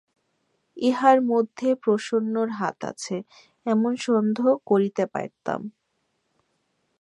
ইহার মধ্যে প্রসন্নর হাত আছে, এমন সন্দেহ করিতে পারিতাম।